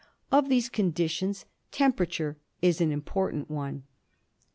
Of these conditions temperature is an important one.